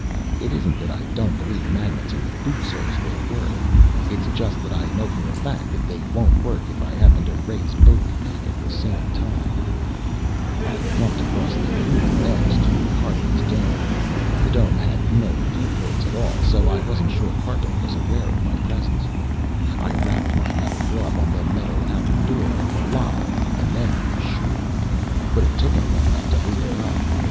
It isn't that I don't believe the magnets in the boot soles will work, it's just that I know for a fact that they won't work if I happen to raise both feet at the same time. I clumped across the crude X to Karpin's dome. The dome had no viewports at all, so I wasn't sure Karpin was aware of my presence. I rapped my metal glove on the metal outer door of the lock, and then I was sure. But it took him long enough to open up.